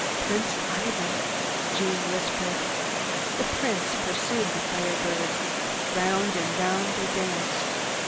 "Prince Ivan," Jeanne whispered. The Prince pursued the Fire Bird. Round and round they danced.